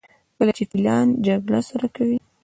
کله چې فیلان جګړه سره کوي.